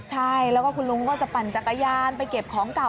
ใช่แล้วก็คุณลุงก็จะปั่นจักรยานไปเก็บของเก่า